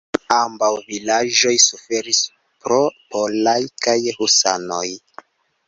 Ambaŭ vilaĝoj suferis pro poloj kaj husanoj.